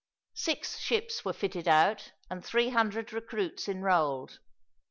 Six ships were fitted out, and three hundred recruits enrolled.